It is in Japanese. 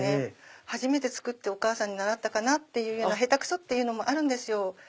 初めて作ってお母さんに習ったような下手くそというのもあるんですよ。